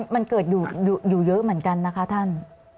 มันเกิดอยู่เยอะเหมือนกันนะคะท่าน